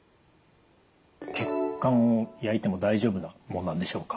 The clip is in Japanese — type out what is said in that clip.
血管を焼いても大丈夫なものなんでしょうか？